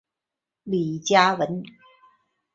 李嘉文。